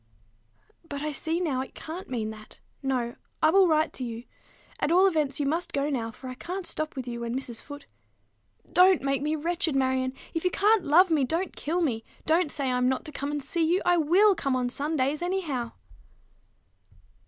"But I see now it can't mean that. No: I will write to you. At all events, you must go now, for I can't stop with you when Mrs. Foote" "Don't make me wretched, Marion. If you can't love me, don't kill me. Don't say I'm not to come and see you. I will come on Sundays, anyhow."